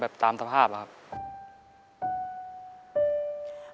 สวัสดีครับน้องเล่จากจังหวัดพิจิตรครับ